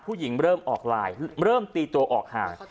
เริ่มออกไลน์เริ่มตีตัวออกห่าง